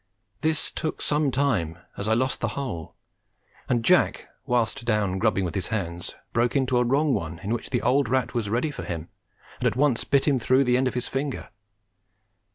This took some time, as I lost the hole, and Jack, whilst down grubbing with his hands, broke into a wrong one in which the old rat was ready for him, and at once bit him through the end of his finger.